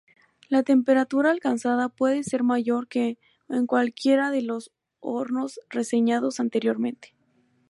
La temperatura alcanzada puede ser mayor que en cualquiera de los hornos reseñados anteriormente.